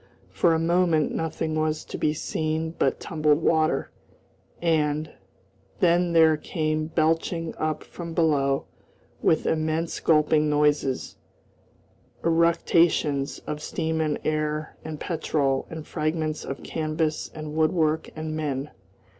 For a moment nothing was to be seen but tumbled water, and then there came belching up from below, with immense gulping noises, eructations of steam and air and petrol and fragments of canvas and woodwork and men.